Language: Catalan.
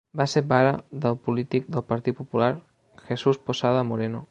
Va ser pare del polític del Partit Popular Jesús Posada Moreno.